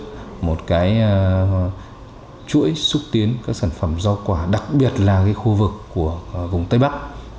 chúng tôi sẽ tổ chức một chuỗi xúc tiến các sản phẩm giao quả đặc biệt là khu vực của vùng tây bắc